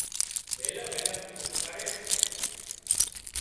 ويلي ويلي اُوٺي سي